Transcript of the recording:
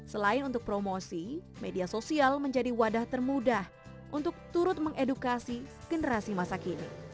selain untuk promosi media sosial menjadi wadah termudah untuk turut mengedukasi generasi masa kini